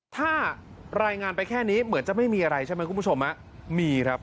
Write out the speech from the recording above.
ถ้ารายงานไปแค่นี้เหมือนจะไม่มีอะไรใช่ไหมคุณผู้ชมฮะมีครับ